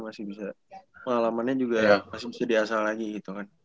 pengalamannya juga masih sediasa lagi gitu kan